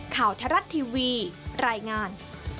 ข่าวทรัศน์ทีวีรายงาน